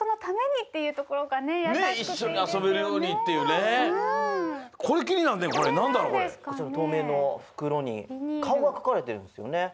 とうめいのふくろにかおがかかれてるんですよね？